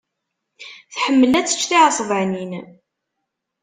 Tḥemmel ad tečč tiɛesbanin.